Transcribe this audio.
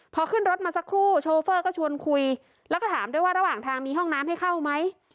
พอขึ้นรถมาสักครู่โชเฟอร์ก็ชวนคุยแล้วก็ถามด้วยว่าระหว่างทางมีห้องน้ำให้เข้าไหม